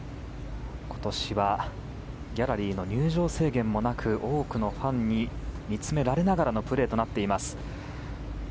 今年はギャラリーの入場制限もなく多くのファンに見つめられながらのプレーとなっています。